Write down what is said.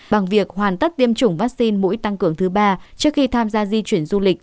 bằng việc hoàn tất tiêm chủng vaccine mũi tăng cường thứ ba trước khi tham gia di chuyển du lịch